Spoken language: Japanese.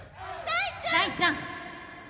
大ちゃん